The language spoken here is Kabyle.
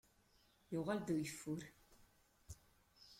Yuɣal-d ugeffur.